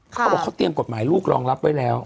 เขาบอกเขาเตรียมกฎหมายลูกรองรับไว้แล้ว